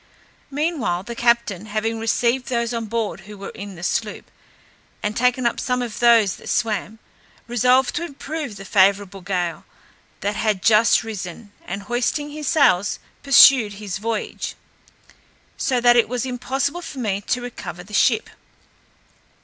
Meanwhile, the captain, having received those on board who were in the sloop, and taken up some of those that swam, resolved to improve the favourable gale that had just risen, and hoisting his sails pursued his voyage, so that it was impossible for me to recover the ship.